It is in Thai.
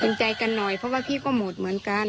ถึงแจกันน้อยเพราะพีทก็หมดเหมือนกัน